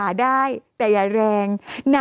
มันเหมือนอ่ะ